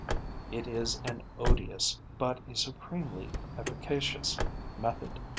It is an odious, but a supremely efficacious method.